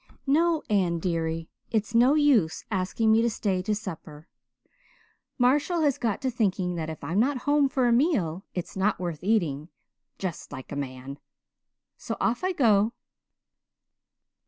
No, Anne dearie, it's no use asking me to stay to supper. Marshall has got to thinking that if I'm not home for a meal it's not worth eating just like a man. So off I go.